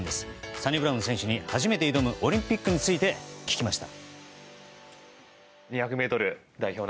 サニブラウン選手に初めて挑むオリンピックについて聞きました。